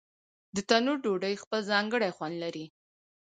د تنور ډوډۍ خپل ځانګړی خوند لري.